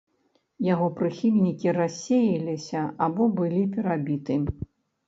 Яго прыхільнікі рассеяліся або былі перабіты.